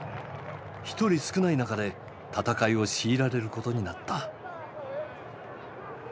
１人少ない中で戦いを強いられることになった。